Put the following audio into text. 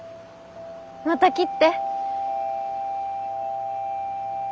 また切って。